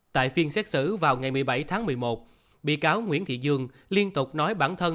tại phiên xét xử vào ngày một mươi bảy tháng một mươi một bị cáo nguyễn thị dương liên tục nói bản thân